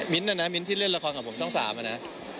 มิ้นท์น่ะนะมิ้นท์ที่เล่นละครกับผมช่อง๓น่ะนะ